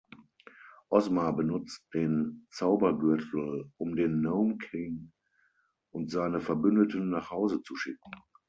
Ozma benutzt den Zaubergürtel, um den Nome King und seine Verbündeten nach Hause zu schicken.